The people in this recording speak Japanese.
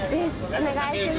お願いします。